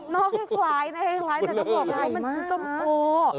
นอกให้ไขแต่ต้องบอกว่ามันส้มโอ